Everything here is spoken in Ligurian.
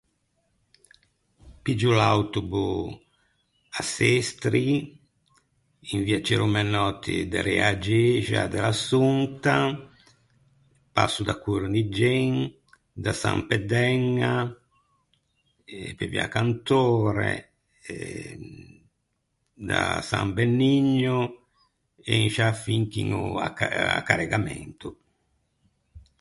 Piggio l’autobo à Sestri, in via Ciro Menotti derê a-a gexa de l’Assonta, passo da Corniggen, da San Pê d’Æña e pe via Cantore e da San Benigno, e in sciâ fin chiño à Ca- à Carregamento.